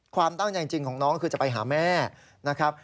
ความตั้งใจจริงของน้องคือจะไปหาแม่นะครับ